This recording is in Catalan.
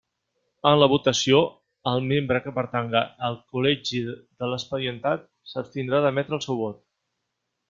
En la votació, el membre que pertanga al col·legi de l'expedientat, s'abstindrà d'emetre el seu vot.